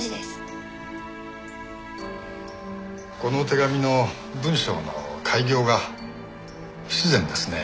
この手紙の文章の改行が不自然ですね。